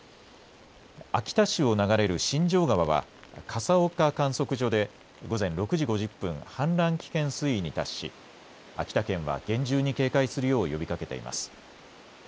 秋田市を流れる新城川は笠岡観測所で午前６時５０分、氾濫危険水位に達し秋田県は厳重に警戒するよう呼びかけています。